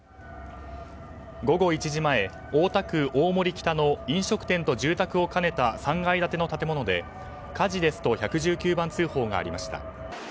午後１時前、大田区大森北の飲食店と住宅を兼ねた３階建ての建物で、火事ですと１１９番通報がありました。